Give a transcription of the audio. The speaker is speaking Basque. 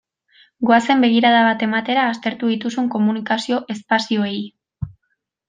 Goazen begirada bat ematera aztertu dituzun komunikazio espazioei.